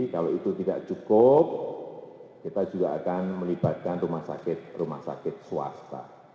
kalau itu tidak cukup kita juga akan melibatkan rumah sakit rumah sakit swasta